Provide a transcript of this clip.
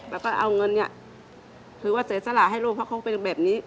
แล้วก็เอาเงินเนี่ยคือว่าเสียสละให้ลูกเพราะเขาเป็นแบบนี้